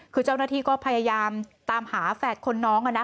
คือเจ้าหน้าที่ก็พยายามตามหาแฝดคนน้อง